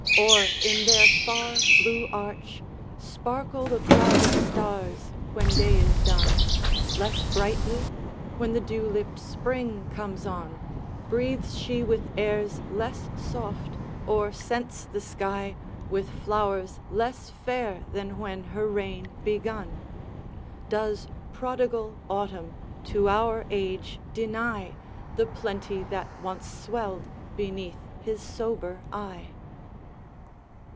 or, in their far blue arch, Sparkle the crowd of stars, when day is done, Less brightly? when the dew lipped Spring comes on, Breathes she with airs less soft, or scents the sky With flowers less fair than when her reign begun? Does prodigal Autumn, to our age, deny The plenty that once swelled beneath his sober eye?